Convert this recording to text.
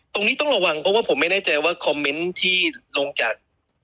ตรงนี้ต้องระวังเพราะว่าผมไม่แน่ใจว่าคอมเมนต์ที่ลงจาก